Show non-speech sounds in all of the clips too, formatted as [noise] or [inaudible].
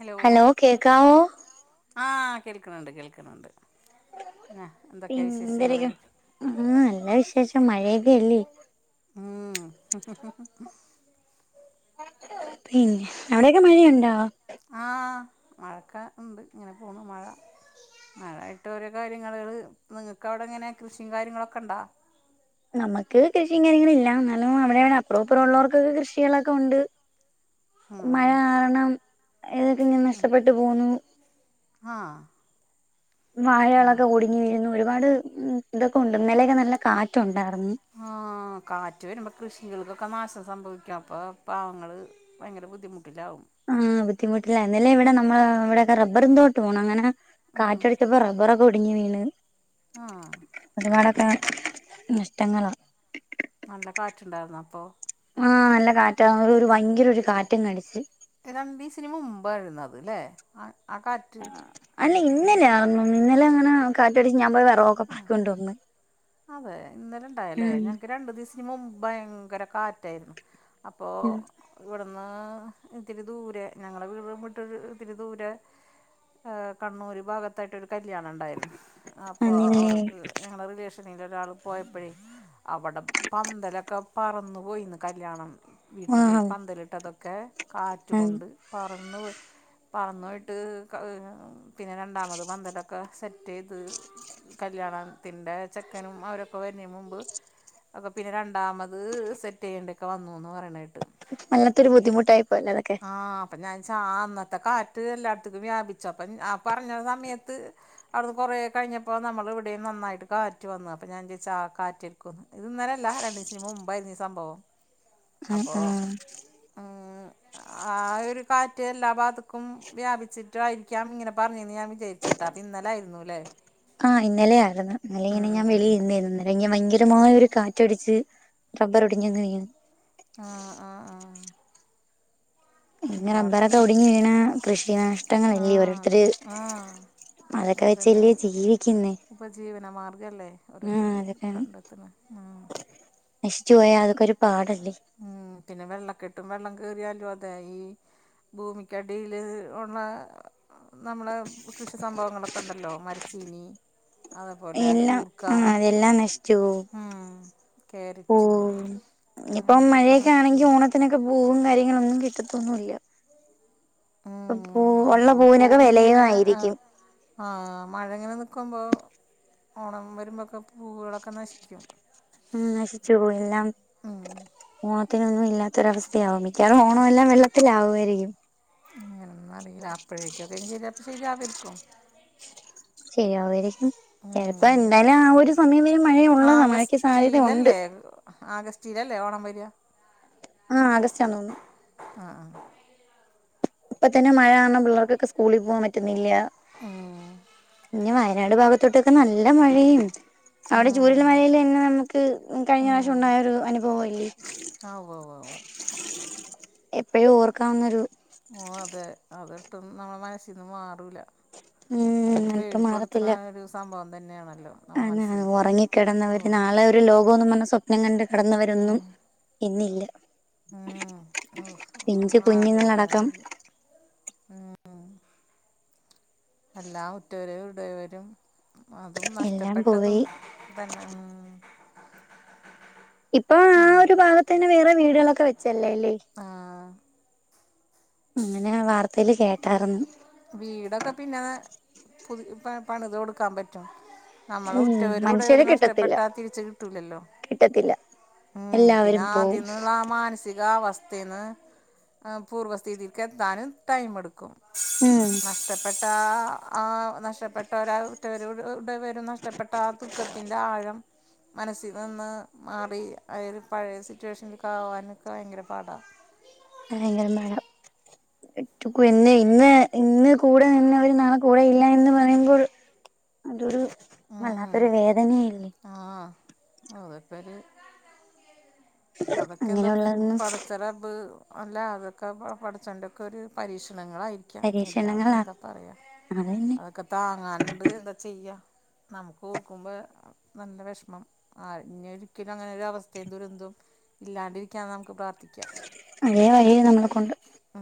Hello ആഹ് കേൾക്ക്ണ് ണ്ട് കേൾക്ക്ണ് ണ്ട് [unintelligible] [unintelligible] ആഹ് നല്ല വിശേഷം മഴയൊക്കെയല്ലേ ആഹ [unintelligible] പിന്നെ അവടെക്കെ മഴയൊണ്ടോ ആഹ് മഴക്കാ ഇണ്ട് ഇങ്ങനെ പോണു മഴ മഴായിട്ട് ഓരോ കാര്യങ്ങള്ങ്ങള് നിങ്ങക്ക് അവടെ എങ്ങനെ കൃഷിം കാര്യങ്ങളൊക്കെണ്ടാ നമ്മക്ക് കൃഷിം കാര്യങ്ങളില്ല എന്നാലും അവടെവടെ അപ്രൊ ഇപ്രോ ഒള്ളവർക്കൊക്കെ കൃഷികളൊക്കെ ഒണ്ട് ഉം മഴ കാരണം [unintelligible] നഷ്ടപ്പെട്ടു പോന്നു ആഹ് വാഴകളൊക്കെ ഒടിഞ്ഞു വീഴുന്നു ഒരുപാട് ഇതൊക്കോണ്ട് ഇന്നലൊക്കെ നല്ല കാറ്റോണ്ടാർന്ന് ആഹ് കാറ്റ് വരുമ്പോ കൃഷികൾക്കൊക്കെ നാശം സംഭവിക്കും അപ്പോ പാവങ്ങള് പയങ്കര ബുദ്ധിമുട്ടിലാവും ആഹ് ബുദ്ധിമുട്ടില്ല ഇന്നലെ ഇവടെ നമ്മള് ഇവടെക്കെ റബറും തോട്ടവാണ് അങ്ങനെ ഉം കാറ്റടിച്ചപ്പോ റബ്ബറൊക്കെ ഒടിഞ്ഞ് വീണ് ആ ഒരുപാടൊക്കെ നഷ്ടങ്ങളാ നല്ല കാറ്റുണ്ടാരുന്നോ അപ്പോ ആഹ് നല്ല കാറ്റാ ഒരു ഒരു ഭയങ്കര ഒരു കാറ്റങ്ങടിച്ച് രണ്ടീസിന് മുമ്പായിരുന്നത് ല്ലേ ആഹ് കാറ്റ് അല്ല ഇന്നലെ ആണന്ന് തോന്ന് ഇന്നലെ അങ്ങനെ കാറ്റടിച്ച് ഞാൻ പോയി വെറകൊക്കെ പെറക്കിക്കൊണ്ട് വന്ന് അതെ ഇന്നലെ ഇണ്ടായല്ലേ ഉം ഞക്ക് രണ്ടു ദിസിക്ക് മുമ്പാ ഭയങ്കര കാറ്റാരുന്നു അപ്പോ ഉം ഇവടുന്ന് ഇത്തിരി ദൂരെ ഞങ്ങളെ വീട് വിട്ട് ഇത്തിരി ദൂരെ ആഹ്‌ കണ്ണൂര് ഭാഗത്തായിട്ടൊരു കല്യാണം ഇണ്ടാരുന്നു അപ്പോ ആന്നില്ലേ അവടക്ക് ഞങ്ങടെ റിലേ [unintelligible] ഒരാള് പോയപ്പഴേ അവടെ പന്തലേക്കെ പറന്നു പോയിന്ന് കല്യാണ വീട്ടിലെ ആഹ് പന്തലിട്ടതൊക്കെ ആഹ് കാറ്റ്ക്കൊണ്ട് പറന്ന് പോയി പറന്നു പോയിട്ട് പിന്നെ രണ്ടാമത് പന്തലൊക്കെ സെ റ്റെയ്ത് കല്യാണത്തിന്റെ ചെക്കനും അവരൊക്കെ വരണേ മുമ്പ് ഒക്കെപ്പിന്നെ രണ്ടാമത് സെറ്റ് ചെയ്യേണ്ടക്കെ വന്നുന്ന് പറയണെട്ട് വല്ലാത്തൊരു ബുദ്ധിമുട്ടായിപ്പോയല്ലതൊക്കെ ആഹ് അപ്പോ ഞാ ച്ചാ അന്നത്തെ കാറ്റ് എല്ലാടത്തേക്കും വ്യാപിച്ചു അപ്പം ആഹ് പർഞ്ഞ സമയത്ത് അവടുന്ന് കൊറേ കഴിഞ്ഞപ്പോ നമ്മളിവടേം നന്നായിട്ട് കാറ്റ് വന്നു അപ്പോ ഞാൻ [unintelligible] ആഹ് കാറ്റ്‌ര്ക്കുന്ന് ഇത് ഇന്നലല്ല രണ്ടിസം മുമ്പായിരുന്നീ സംഭവം [inaudible] അപ്പോ ആഹ് [inaudible] ആഹ് ഒരു കാറ്റ് എല്ലാ ഭാഗത്ത്ക്കും വ്യാപിച്ചിട്ടായിരിക്കാം ഇങ്ങനെ പറഞ്ഞെന്ന് ഞാൻ വിചാര് ച്ചിട്ടാ അത് ഇന്നലാരുന്നുലേ ആഹ് ഇന്നലെ ആരുന്നു ഇന്നലെങ്ങനെ ഞാ ഉം ഉം ഉം വെളിര്ന്നിര്ന്ന് ഭയങ്കരമായ ഒരു കാറ്റടിച്ച് റബ്ബറോടിഞ്ഞങ്ങ് വീണ് ആഹ് ആഹ് ഇങ്ങനെ ഒരുപാട് റബറൊക്കെ കൃ ഒടിഞ്ഞ് വീണ കൃഷി ആ നഷ്ടങ്ങളില്ലേ ഓരോര്ത്തര് ആ അതൊക്കെ വെച്ചല്ലേ ജീവിക്കുന്നേ ഉപജീവനമാർഗ്ഗല്ലേ ആഹ് ഓരോത്തരു അതൊക്കെ കണ്ടെത്തണെ ഉം നശിച്ചു പോയാ അതൊക്കൊരു പാടല്ലേ ഉം പിന്നെ വെള്ളക്കെട്ടും വെള്ളം കേറിയാലും അതായി ഭൂമിക്കടിയില് ഒള്ള നമ്മളെ കൃഷി സംഭവങ്ങളൊക്കെണ്ടല്ലോ മരച്ചീനി അതേപോലെ കൂർക്ക എല്ലാം നശിചുപോകും ആഹ് കേരറ്റ് ഇപ്പം അങ്ങനെയുള്ളൊക്കെ മഴയൊക്കെ നശിച്ചു ആണെങ്കി പോകും ഓണത്തിനൊക്കെ പൂവും കാര്യങ്ങളൊന്നും കിട്ടത്തൊന്നൂല്ല്യ ആഹ് ഉള്ള ഓണത്തിന് പൂ പൂവിനൊക്കെ വിലയും ഇങ്ങനെ ആഹ് ആയിരിക്കും ആഹ് മഴങ്ങനെ നിക്കുമ്പോ ഓണം വരുമ്പൊക്കെ പൂവകളൊക്കെ നശിക്കും ഉം നശിച്ചു പോയി എല്ലാം ഉം ഓണത്തിനൊന്നും ഇല്ലാത്തൊരവസ്ഥയാവും മിക്കവാറും ഓണംവെല്ലാം വെള്ളത്തിലാവ്യായിരിക്കും അങ്ങനൊന്നും അറീല അപ്പോഴേക്കൊക്കെ ശരിത്ത ശരിയാവേര്ക്കും ശരിയാവേരിക്കും ചെലപ്പോ എന്തായാലും ആഹ് ഒരു സമയം വരെ മഴ ഒള്ളത മഴയ്ക്ക് സാധ്യത ഉണ്ട് ആഗസ്റ്റ്ലല്ലേ ഓണം വരാ ആഹ് ആഗസ്റ്റാ തോന്നുണു ആഹ് ആഹ് ഇപ്പൊതന്നെ മഴ കാരണം പിള്ളെർക്കൊക്കെ സ്കൂളി പോകാൻ പറ്റുന്നില്ല ആഹ് ഇഞ്ഞ് വയനാട് ഭാഗത്തോട്ടൊക്കെ നല്ല മഴയണ് അവിടെ ചൂരൽ ഉം. കഴ്ഞ്ഞമഴയിലന്നെ നമുക്ക് കഴിഞ്ഞ പ്രാശം ഉണ്ടായ ഒരു അനുഭവല്ലേ ആഹ് ഉവ്വ് ഉവ് ഉവ്വ് എപ്പഴും ഓർക്കാവുന്നൊരു ഓഹ് അതെ അതൊട്ടും നമ്മ മനസ്സിന്ന് മാറൂല ഉം അതൊരു ഇപ്പ പേടിപ്പെടുത്ത്ണരു സംഭവം തന്നെണല്ലോ ആഹ് ഒറങ്ങിക്കിടന്നവര് നാളെ ഒരു ലോകോന്ന് പർഞ്ഞ് സ്വപ്നം കണ്ട് കെടന്നവരൊന്നും ഇന്നില്ല ആഹ് ഹൗ അവ് പിഞ്ചു കുഞ്ഞുങ്ങളടക്കം ആലോയ്ച്ചാനില്ല ഉം ഉം എല്ലാ ഉറ്റവരെയും ഉടയവരെയും അതും എല്ലാം നഷ്ടപ്പെട്ടതും പോയി തന്നെ ഉം ഇപ്പൊ ആഹ് ഒരു ഭാഗത്തതന്നെ വേറെ വീടുകളൊക്കെ വെച്ചല്ലേല്ലേ ആഹ് അങ്ങനെ വാർത്തേല് കേട്ടാരുന്നു വീടൊക്കെ പിന്നെ പുതി പണിത് കൊടുക്കാം പറ്റും നമ്മള ഉം ഉറ്റവരും മനുഷ്യരെ ഉടയവരും കിട്ടത്തില്ല നഷ്ടപ്പെട്ടാ തിരിച്ച കിട്ടൂലല്ലോ കിട്ടത്തില്ല ഉം പിന്നെ എല്ലാവരും പോവും ആദ്യന്നുള്ള ആ മാനസികാവസ്ഥ അവസ്തിന്ന് പൂർവസ്ഥിതിക്ക് എത്താനും ടൈമ് എടുക്കും ഉം നഷ്ടപ്പെട്ട താ ആഹ് നഷ്ടപ്പെട്ടരാ ഉറ്റവരും ഉടയവരും നഷ്ടപ്പെട്ട ആഹ് ദുഃഖത്തിന്റെ ആഴം മനസ്സിൽ നിന്ന് മാറി ആയോരു പഴയ സിറ്റുവേഷനിലക്ക് ആവാനൊക്കെ ഭയങ്കര പാടാണ് ഭയങ്കരമയ പിന്നെ ഇന്ന് ഇന്ന് കൂടെ നിന്നവര് നാളെ കൂടെ ഇല്ല എന്ന് പറയുമ്പോൾ അതൊരു വല്ലാത്തൊരു വേദനെണ് ആഹ് അഹ്പ്പൊര് അതൊക്കെ എന്താ അങ്ങനെയുള്ളതൊന്നും പടച്ചറബ്ബ് അല്ല അതൊക്കെ പസച്ചിന്റെക്കെരു പരീക്ഷണങ്ങളായിരിക്കും അല്ലാ പ്പ പരീക്ഷണങ്ങളാ എന്താ പറയാ അതന്നെ ഒക്കെ താങ്ങാണ്ട് എന്താ ചെയ്യ നമുക്ക് ഓർക്കുമ്പോ നല്ല വേശ്മം ആഹ് ഇനി ഒരിക്കലും അങ്ങനെ ഒരു അവസ്ഥയും ദുരന്തും ഇല്ലാണ്ടിരിക്കാൻ നമുക്ക് പ്രാത്ഥിക്കാം അതേ വഴിയെ നമ്മളെക്കൊണ്ട് ആ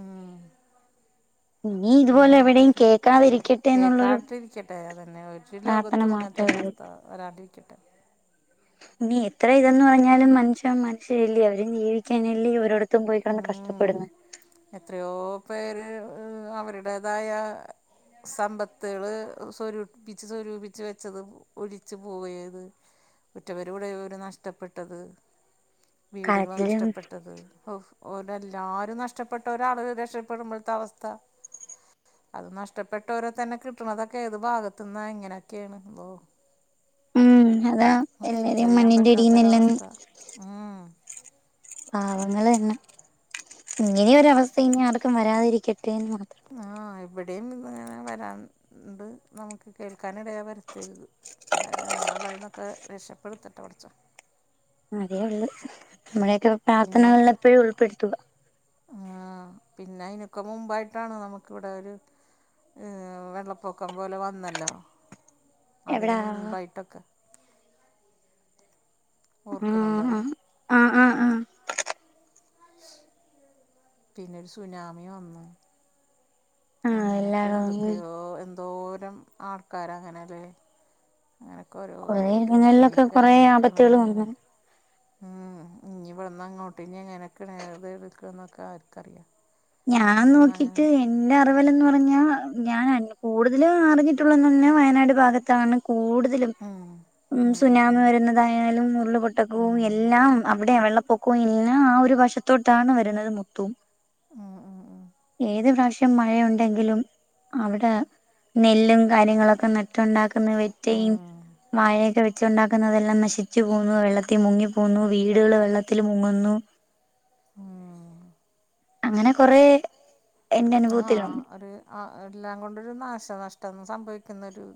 ഇനി ഇതുപോലെ എവിടെയും അങ്ങനത്തൊരു കേൾക്കാതിരിക്കട്ടെ എന്നുള്ളൊരു കേക്കാട്ട ഇരിക്കട്ടെ അതന്നെ ഒരു പ്രാർത്ഥന ലോകത്തും അങ്ങനത്തെ മാത്രമേ ഉള്ളൂ ഒരുവസ്ഥ ആ വരാണ്ടിരിക്കട്ടെ. ഇനി എത്ര ഇതന്ന് പറഞ്ഞാലും മനുഷ്യൻ മനുഷ്യല്ലേ അവരും ജീവിക്കാനല്ലേ അവരോട്. അത്തും പോയികെടന്ന് ഉം കഷ്ടപ്പെടുന്ന്. എത്രയോ പേര് അവരുടേതായ സമ്പത്തുള് സ്വരൂപിച്ച്, സ്വരൂപിച്ച് വെച്ചത് ഒലിച്ചു പോയത് ഉറ്റവരും ഉടയവരും നഷ്ടപ്പെട്ടത്. വീടുകള് കാലത്തില് നഷ്ടപ്പെട്ടത് ഓ ഓരെല്ലാരും നഷ്ട രക്ഷപ്പെട്ട ഒരാള് രക്ഷപ്പെടുമ്പോഴത്തെ അവസ്ഥ. അത് നഷ്ടപ്പെട്ടോര തന്നെ കിട്ടണതൊക്കെ ഏത് ഭാഗത്തു നിന്ന എങ്ങനെയൊക്കെണ് അള്ളോ. ഉം അതാ എല്ലരേം മണ്ണിൻ്റടിയെന്നെല്ലാം ആ പാവങ്ങളന്നെ ഇങ്ങനെയൊരു അവസ്ഥ ഇനി ആർക്കും വരാതിരിക്കട്ടെ എന്ന് മാത്രം. ആ ഇവിടേം ഇന്ന്ങ്ങനെ വരാണ്ട്. നമുക്ക് കേൾക്കാനിടയാവരുത്. എല്ലാവരും അങ്ങനെയുള്ള ഇതൊക്കെ രക്ഷപ്പെടുത്തട്ടെ പടച്ചോൻ. അതേ ഉള്ളൂ നമ്മളൊക്കെ പ്രാർത്ഥനകളിലെപ്പോഴും ഉൾപ്പെടുത്തുക. ആ പിന്നെ അയിനൊക്കെ മുമ്പായിട്ടാണ് നമുക്കിവിടെ ഒരു വെള്ളപ്പൊക്കം പോലെ വന്നല്ലോ അതിന് എവിടാ മുൻപായിട്ടൊക്കെ. ഉം, ഓർക്കണുണ്ടോ അത് ഉ ആ, ആ ശ് പിന്നൊരു സുനാമി വന്നു. ആഹ് അങ്ങനൊക്കെ എല്ലായിടവും എന്തൊക്കെയോ എന്തോരം ആൾക്കാര അങ്ങനെല്ലേ. അങ്ങനൊക്കെ ഓരോ കൊറേ തുടങ്ങി ഇടങ്ങളിലൊക്കെ ഇനിയൊക്കെ കൊറേ ഇങ്ങനൊക്കെണ് ആപത്തുകൾ ഇങ്ങനെ വന്നു ഉം ഇനി ഇവിടെന്ന് അങ്ങോട്ട് ഇനി എങ്ങനൊക്കെണ് ഏത് എടുക്ക എന്നൊക്കെ ആർക്കറിയാം. ഞാം ഇനി ഒന്നും അങ്ങനെ നോക്കിട്ട് എന്റെ അറിവിലന്ന് പറഞ്ഞാ ഞാൻ കൂടുതൽ അറിഞ്ഞിട്ടുള്ളെന്നറഞ്ഞാ വയനാട് ഭാഗത്താണ് കൂടുതലും. ഉം ഉ ഉം സുനാമി ഉം വരുന്നതായാലും ഉം ഉരുള്പൊട്ടക്കവും ഉം എല്ലാം അവിടെ വെള്ളപ്പൊക്കവും എല്ലാം ആ ഒരു വശ തൊട്ടാണ് വരുന്നത് മൊത്തോം. ഉം ഉം ഏത് പ്രാവശ്യം മഴയുണ്ടെങ്കിലും അവിടെ നെല്ലും കാര്യങ്ങളൊക്കെ നട്ടുണ്ടാക്കുന്ന വെറ്റയും ഉം വാഴയൊക്കെ വെച്ചുണ്ടാക്കുന്നതെല്ലാം നശി ച്ച് പോന്നു, വെള്ളത്തി മുങ്ങിപ്പോവുന്നു വീടുകൾ വെള്ളത്തിൽ മുങ്ങുന്നു. ആ അങ്ങനെ കൊറെ ആഹ് ഒരു ആ എല്ലാം കൊണ്ടരു നാശ നഷ്ടം സംഭവിക്കുന്നൊരു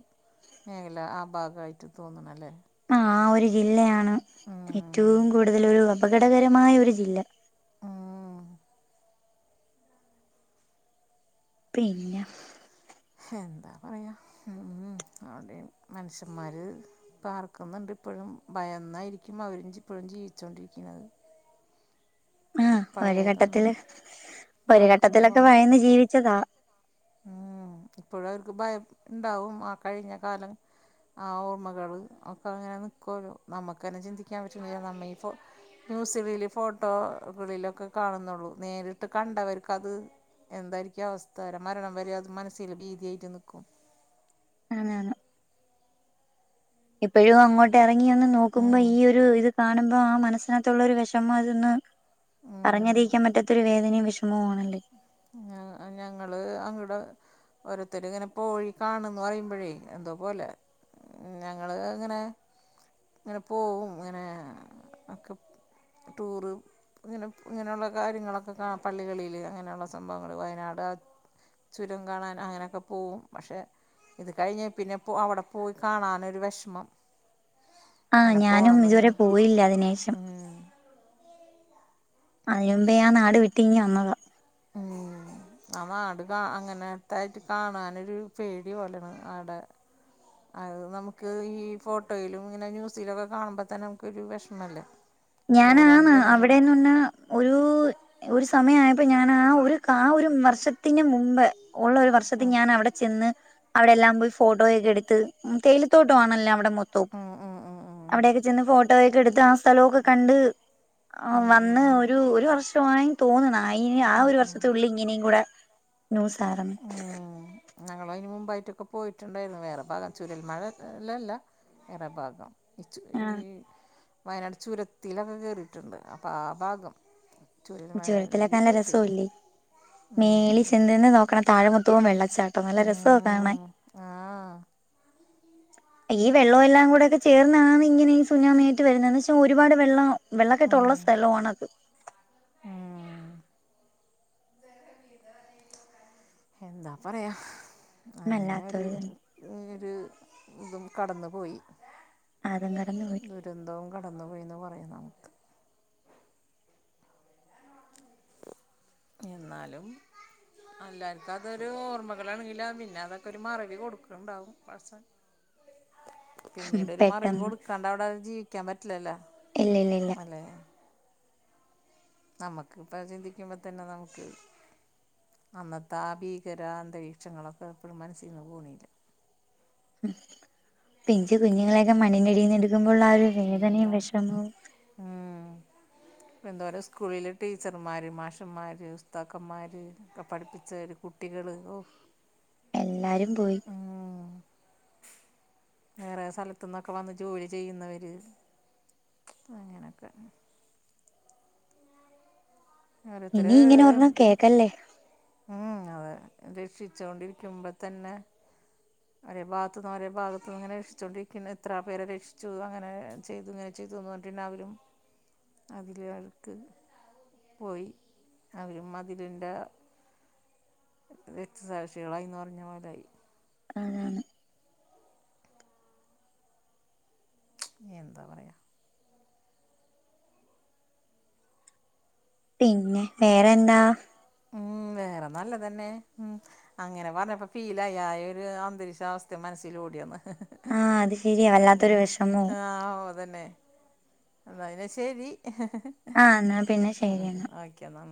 മേഖല ആ ഭാഗായിട്ട് തോന്നണല്ലേ. ആ ആ ഒരു ജില്ലയാണ് ഉം ഏറ്റവും കൂടുതൽ ഒരു അപകടകരമായ ഒരു ജില്ല. ഉം പിഞ്ഞ എന്താ പറയാ ഉം അടെ മനുഷ്യന്മാര് പാർക്കുന്നുണ്ട് ഇപ്പോഴും ഭയന്നായിരിക്കും അവര് ഇപ്പോഴും ജീവിച്ചൊണ്ടിരിക്കുന്നത്. ആ ഒരു ഘട്ടത്തില് പഴയതൊന്നും ഒരു മാറിനിന്ന് പോകാൻ ഘട്ടത്തിലൊക്കെ പറ്റില്ല ഭയന്ന് ജീവിച്ചതാ. ഉം ഇപ്പോഴു അവർക്ക് ഭയം ഇണ്ടാവും ആ കഴിഞ്ഞ കാലം. ആ ഓർമ്മകള് ഒക്കെ അങ്ങനെ നിക്കുവല്ലോ നമ്മുക്ക് തന്നെ ചിന്തിക്കാൻ പറ്റ നമ്മ ഇപ്പോ ന്യൂസുകളില് ഫോട്ടോകളിലൊക്കെ കാണുന്നുള്ളൂ. നേരിട്ട് കണ്ടവർക്ക് അത് എന്തായിരിക്കും അവസ്ഥര മരണം വരെ അത് മനസ്സിൽ ഭീതിയായിട്ട് നിക്കും. അനെയാണ്. എപ്പോഴും അങ്ങോട്ട് എറങ്ങി ഒന്ന് നോക്കുമ്പോ ഉം ഈ ഒരു ഇത് കാണുമ്പോ ആ മനസ്സിനകത്തുള്ള ഒരു വെഷമം അതൊന്ന് ഉം പറഞ്ഞറിയിക്കാൻ പറ്റാത്തൊരു വേദനയും വെഷമോം ആണല്ലേ. ഞ, ഞങ്ങള് അങ്ട ഓരത്തരു ഇങ്ങനെ പോഴി കാണന്ന് പറയുമ്പോഴേ എന്തോ പോലെ ഞങ്ങള് ഇങ്ങനെ ഇങ്ങനെ പോകവും ഇങ്ങനെ ഒക്കെ ടൂറ് ഇങ്ങനെ ഇങ്ങനെയുള്ള കാര്യങ്ങളൊക്കെ കാ പള്ളികളിൽ അങ്ങനെയുള്ള സംഭവങ്ങൾ വയനാട് ആഹ് ചുരം കാണാൻ അങ്ങനെയൊക്കെ പോകവും പക്ഷെ ഇത് കഴിഞ്ഞഞ് പിന്നെ അവിടെ പോയി കാണാനൊരു വിഷമം ആഹ് ആങ്ങനെ പോണ ഞാനും ഒന്ന ഇങ്ങനെ ഇതുവരെ പോയില്ല അതിനേഷം ഉം അതിനുമ്പേ ഞാൻ നാട് വിട്ടി ഇഞ്ഞ് വന്നതാ ഉം ആഹ് നാട് കാ അങ്ങനെത്ത ആയിട്ട് കാണാനൊരു പേടി പോലൊണ് ആടെ അത് നമുക്ക് ഈ ഫോട്ടോയിലും ഇങ്ങനെ ന്യൂസിലൊക്കെ കാണുമ്പോൾ തന്നെ നമുക്കൊരു വിഷമല്ലേ ഞാന എന്തോരാണ് ആന്ന ജനങ്ങൾ അവിടെന്ന് പറഞ്ഞ ഒരു ഒരു സമയമായപ്പോ ഞാൻ ആഹ് ഒരു ആഹ് ഒരു വർഷത്തിന് മുമ്പ് ഉള്ള ഒരു ഉം ഞാൻ അവിടെ ചെന്ന് അവിടെല്ലാം പോയി ഫോട്ടോയൊക്കെ എടുത്ത് ത്തോട്ടു ആണല്ലോ അവിടെ മൊത്തൂപ്പ് ഉം ഉം ഉം ഉം അവിടെയൊക്കെ ചെന്ന് ഫോട്ടോയൊക്കെ എടുത്ത് ആഹ് സ്ഥലോൊ കണ്ട് ആഹ് ഉം ഉം വന്ന് ഉം ഒരു ഒരു വർഷ വങ്ങ തോന്നുന്ന ആഹ് ഒരു വർഷത്ത ഉുള്ളിൽ ഇങ്ങനെയും കൂടെ ന്യൂസ് ആറന്ന് ഉം ഞങ്ങൾ അതിന് മുമ്പായിട്ടൊക്കെ പോയിട്ടുണ്ടായിരുന്നു വേറെ ഭാഗം ചുരുൽ മഴല്ലല്ല വേറ ഭാഗം ഈ ചു ഈ ആഹ് വയനാട് ചുരത്തിലൊക്കെ കയറിയിട്ടുണ്ട് അപ്പം ആഹ് ഭാഗം ജുരത്തിലൊക്കെ ചുരൽമലയിൽ നല്ല പോയിട്ടില്ല രസവല്ലേ മേലി ഉം ചെന്തുന്ന താഴമുത്തുവവും വെള്ളച്ചാട്ടം നല്ല രസവുംക്ക കാണൻ ഉം ആഹ് ഈ വെള്ളം എല്ലാം കൂടെയ ഒക്കെ ചേർന്നാണാണ് ഇങ്ങനെഈ സുനാമേറ്റ് വരുന്നത്ത പക്ഷെ ഒരുപാട് വെള്ളം വെള്ളക്കെട്ടള്ള ഉം സ്ഥലണത് ഉം എന്താ പറയാ അങ്ങനെ ഒരു വല്ലാത്തൊരു ഒരു ഇതും കടന്ന് പോയി ആഹ് അതും കടന്നു പോയി ദുരന്തവും കടന്നു പോയിന് പറയും നമുക്ക് [inaudible] എന്നാലും അല്ല എർക്ക് അതൊരു ഓർമ്മകളാണെങ്കില പിന്നെ അതൊക്കെ ഒരു മറവി കൊടുക്കണ്ടാവും പ [inaudible] പിന്നീട ഒരു മറിവ പെട്ടെന്ന് കൊടുക്കാണ്ട് അവിടെ ജീവിക്കാൻ പറ്റില്ലല്ലോ ഇല്ല ഇല്ല ഇല്ല അലേ. നമ്മക്ക്പ്പൊ ചിന്തിക്കുമ്പത്തെന്നെ നമുക്ക്. അന്നത്താ ആഹ് ഭീകരാന്തരീക്ഷങ്ങളൊക്കെ ഇപ്പഴും മനസ്സീന്ന് പോവുന്നില്ല. ഉം പിഞ്ച് കുഞ്ഞുങ്ങളെയൊക്കെ മണ്ണിന്റടിന്നെടുക്കുമ്പൊള്ളാ ഒരു വേദനയും പിന്നെന്താ? വിഷമവും ഉം. എന്തോരം സ്കൂളിലെ ടീച്ചർമാര് മാഷ്മാര് ഉസ്താക്കമ്മാര്. പഠിപ്പിച്ച ഒര് കുട്ടികള് ഔ എല്ലാരും പോയി. വേറെ സലത്ത്ന്നൊക്കെ വന്ന് ജോലി ചെയ്യുന്നവര് അങ്ങനൊക്കെ. ഓരോത്തര് ഇനി ഇങ്ങനെ ഒരെണ്ണം [unintelligible] കേക്കല്ലേ ഉം അതെ രക്ഷിച്ചോണ്ടിരിക്കുമ്പൊത്തന്നെ. ഒരേ ഭാഗത്ത്ന്ന് ഒരേ ഭാഗത്ത്ന്ന്ങ്ങനെ രക്ഷിച്ചോണ്ടിരിക്ക്ന്ന് എത്ര പേരെ രക്ഷിച്ചു അങ്ങനെ ചെയ്തു ഇങ്ങനെ [unintelligible] അതില് ആൾക്ക് പോയി അവരും അതില്ണ്ട്. രക്തസാക്ഷികളായിന്ന് പറഞ്ഞപോലായി. അതാണ്. എന്താ പറയാ. പിന്നെ വേറെന്താ? ഉം. വേറെ നല്ലതെന്നെ. അങ്ങനെ പറഞ്ഞപ്പോ ഫീലായി. ആയൊരു അന്തരീക്ഷാവസ്ഥേ മനസ്സിലോടിവന്ന്. ആഹ്. അത് ശരി യാവല്ലാത്തൊരു വിഷമവും. ആഹ്. ഓ അതെന്നെ. ന്നാ പിന്നെ ശരി. ആഹ് എന്നാ പിന്നെ ഉം ഉം ശരിയെന്നാ ഓക്കെ ന്നാ.